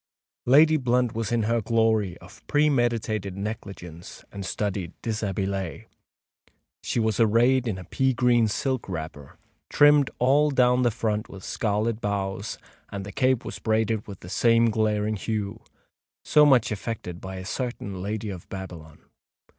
Lady Blunt was in her glory of premeditated negligence and studied deshabillée. She was arrayed in a pea green silk wrapper, trimmed all down the front with scarlet bows; and the cape was braided with the same glaring hue, so much affected by a certain Lady of Babylon.